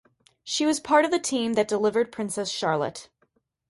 She was part of the team that delivered Princess Charlotte.